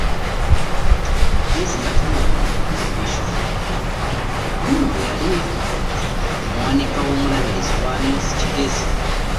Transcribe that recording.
Magezi nga tannalondebwa nga bisopu, no yali muwanika w'obulabirizi bwa North Kigezi